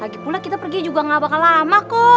lagi pula kita pergi juga gak bakal lama kok